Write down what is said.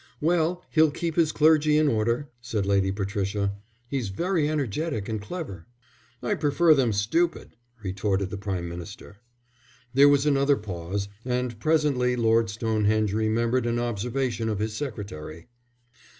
"Well, he'll keep his clergy in order," said Lady Patricia. "He's very energetic and clever." "I prefer them stupid," retorted the Prime Minister. There was another pause, and presently Lord Stonehenge remembered an observation of his secretary.